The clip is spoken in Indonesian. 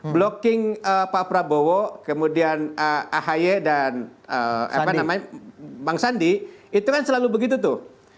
blocking pak prabowo kemudian ahy dan bang sandi itu kan selalu begitu tuh